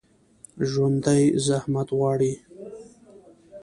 ژوندي زحمت وړي